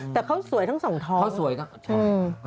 แต่เขาสวยทั้งสองท้อง